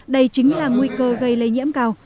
đây chính là nguy cơ gây lây nhiễm cao